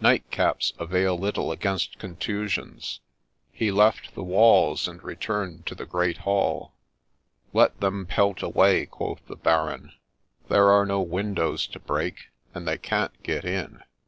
Nightcaps avail little against contusions. He left the walls and returned to the great hall. ' Let them pelt away," quoth the Baron :' there are no win dows to break, and they can't get in.'